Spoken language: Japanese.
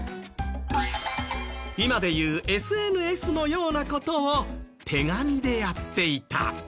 今でいうＳＮＳのような事を手紙でやっていた。